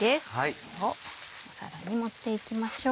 これを皿に盛っていきましょう。